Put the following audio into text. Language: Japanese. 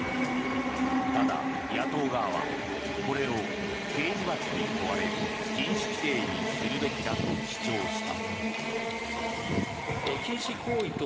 ただ、野党側はこれを刑事罰に問われる禁止規定にするべきだと主張した。